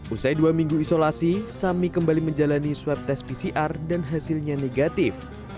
usai dua minggu isolasi sami kembali menjalani swab tes pcr dan hasilnya negatif